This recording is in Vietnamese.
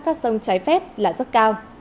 cát sông trái phép là rất cao